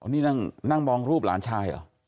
นี่นั่งมองรูปหลานชายเหรอ